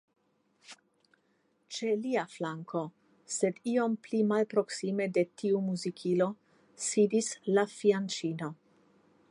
Ĉe lia flanko, sed iom pli malproksime de tiu muzikilo, sidis la fianĉino.